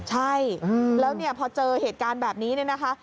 ใช่แล้วเนี่ยพอเจอเหตุการณ์แบบนี้เนี่ยนะคะ